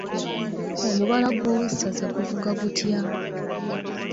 Omubala gw'Owessaza guvuga gutya?